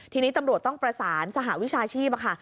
ทีนี้ตำรวจต้องประสานสหวิชาชีพค่ะ